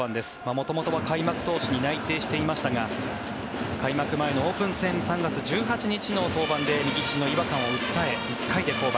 元々は開幕投手に内定していましたが開幕前のオープン戦３月１８日の登板で右ひじの違和感を訴え１回で降板。